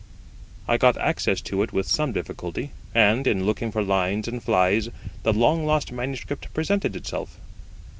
I got access to it with some difficulty; and, in looking for lines and flies, the long lost manuscript presented itself.